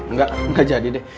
nggak nggak jadi deh